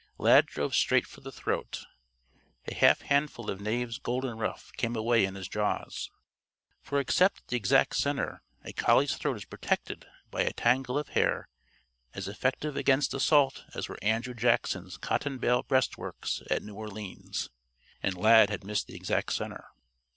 Lad drove straight for the throat. A half handful of Knave's golden ruff came away in his jaws. For except at the exact center, a collie's throat is protected by a tangle of hair as effective against assault as were Andrew Jackson's cotton bale breastworks at New Orleans. And Lad had missed the exact center.